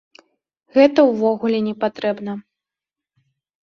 Гэта ўвогуле не патрэбна.